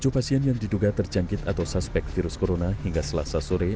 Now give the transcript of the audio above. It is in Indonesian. tujuh pasien yang diduga terjangkit atau suspek virus corona hingga selasa sore